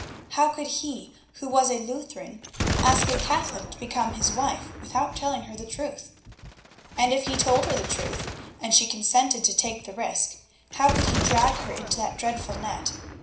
How could he who was a Lutheran ask a Catholic to become his wife without telling her the truth? And if he told her the truth, and she consented to take the risk, how could he drag her into that dreadful net?